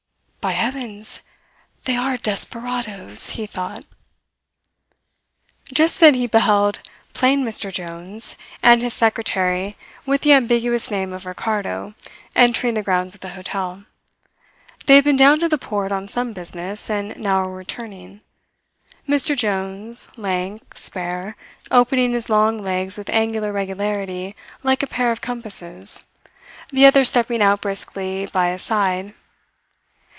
"By heavens, they are desperadoes!" he thought. Just then he beheld "plain Mr. Jones" and his secretary with the ambiguous name of Ricardo entering the grounds of the hotel. They had been down to the port on some business, and now were returning; Mr. Jones lank, spare, opening his long legs with angular regularity like a pair of compasses, the other stepping out briskly by his side.